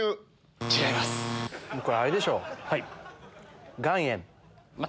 これあれでしょ。